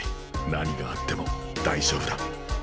何があっても大丈夫だ。